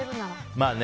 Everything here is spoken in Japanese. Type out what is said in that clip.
まあね。